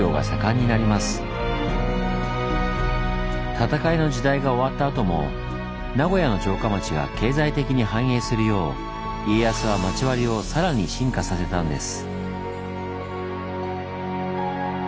戦いの時代が終わったあとも名古屋の城下町が経済的に繁栄するよう家康は町割をさらに進化させたんです。